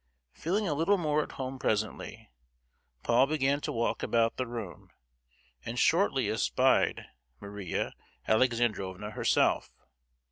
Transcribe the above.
Feeling a little more at home presently, Paul began to walk about the room, and shortly espied Maria Alexandrovna herself.